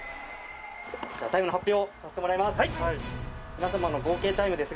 タイムの発表させてもらいます。